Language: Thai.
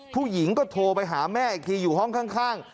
ผู้หญิงก็โทรไปหาแม่อีกทีอยู่ห้องข้าง